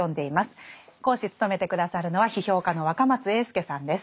講師務めて下さるのは批評家の若松英輔さんです。